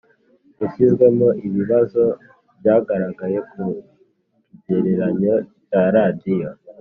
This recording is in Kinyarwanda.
yashyizwemo Ibi bibazo byagaragaye ku kigereranyo cya radiyo